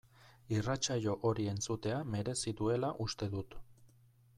Irratsaio hori entzutea merezi duela uste dut.